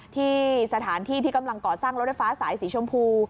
ที่สถานที่ที่กำลังก่อสร้างรถไฟฟ้าสายสีชมพู